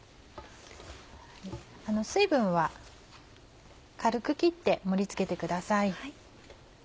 水分は軽く切って盛り付けてください。